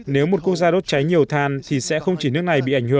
nếu một quốc gia đốt cháy nhiều than thì sẽ không chỉ nước này